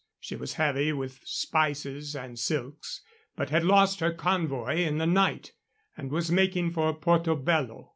She was heavy with spices and silks, but had lost her convoy in the night, and was making for Porto Bello.